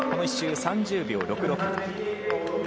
１周、３０秒６６。